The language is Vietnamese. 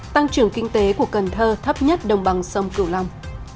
tăng trưởng kinh tế của cần thơ thấp nhất đồng bằng sông cửu long